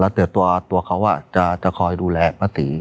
แล้วแต่ตัวตัวเขาอะจะจะคอยดูแลป้าศรี